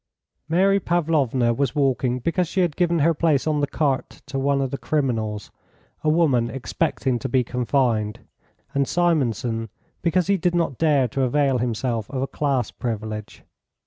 Mary Pavlovna was walking because she had given her place on the cart to one of the criminals, a woman expecting to be confined, and Simonson because he did not dare to avail himself of a class privilege.